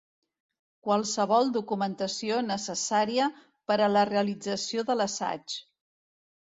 Qualsevol documentació necessària per a la realització de l'assaig.